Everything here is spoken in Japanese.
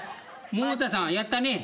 百田さんやったね？